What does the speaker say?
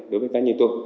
đối với các nhân viên tôi